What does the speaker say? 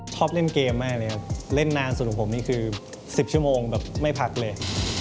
ชอบเล่นเกมมากเลยครับเล่นนานสุดของผมนี่คือ๑๐ชั่วโมงแบบไม่พักเลย